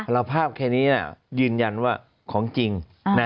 แล้วภาพแค่นี้ยืนยันว่าของจริง